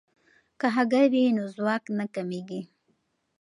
که هګۍ وي نو ځواک نه کمیږي.